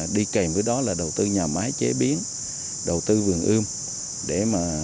đi kèm với đó là đầu tư nhà máy chế biến đầu tư vườn ươm